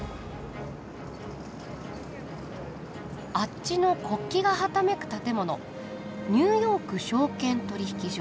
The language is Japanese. あっちの国旗がはためく建物「ニューヨーク証券取引所。